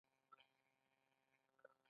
هلته یوه جدي اکاډمیکه نیوکه بیان شوې ده.